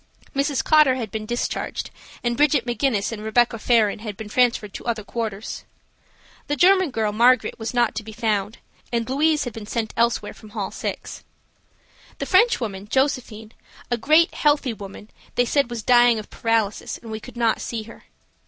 Mrs. Cotter had been discharged, and Bridget McGuinness and Rebecca Farron had been transferred to other quarters. The German girl, Margaret, was not to be found, and Louise had been sent elsewhere from hall 6. The Frenchwoman, Josephine, a great, healthy woman, they said was dying of paralysis, and we could not see her.